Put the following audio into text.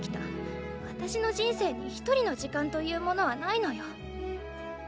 私の人生にひとりの時間というものはないのよ。